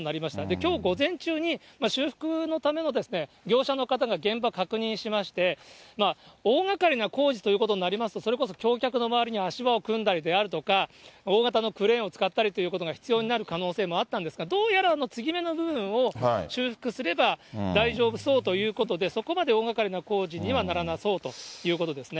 きょう午前中に、修復のための業者の方が現場を確認しまして、大がかりな工事ということになりますと、それこそ橋脚の周りに足場を組んだりですとか、大型のクレーンを使ったりということが必要になる可能性もあったんですが、どうやら継ぎ目の部分を修復すれば、大丈夫そうということで、そこまで大がかりな工事にはならなそうということですね。